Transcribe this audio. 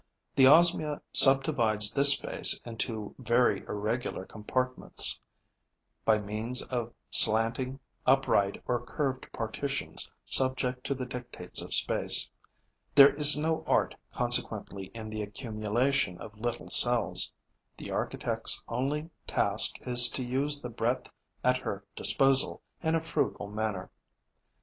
The Osmia subdivides this space into very irregular compartments by means of slanting, upright or curved partitions, subject to the dictates of space. There is no art, consequently, in the accumulation of little cells; the architect's only task is to use the breadth at her disposal in a frugal manner.